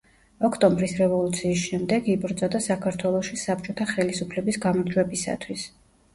ოქტომბრის რევოლუციის შემდეგ იბრძოდა საქართველოში საბჭოთა ხელისუფლების გამარჯვებისათვის.